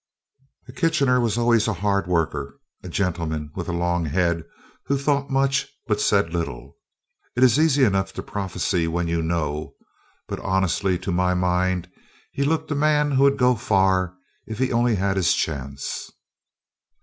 Kitchener was always a hard worker, a gentleman with a long head who thought much but said little. It is, of course, easy enough to prophesy when you know, but honestly, to my mind, he looked a man who would go far if he only had his chance."